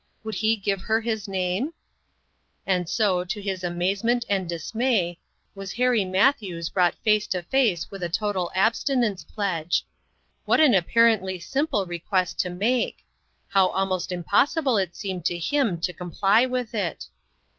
Would he give her his name ? And so, to his amazement and dismay, was Harry Matthews brought face to face with a total abstinence pledge. What an apparently simple request to make ! How almost impossible it seemed to him to com ply with it